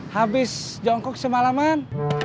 jangan ngocok semalaman